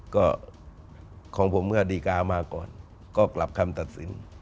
ก็ของผมเมื่อดีการ์มาก่อนก็กลับคำตัดสิน